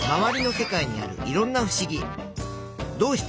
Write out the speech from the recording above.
どうして？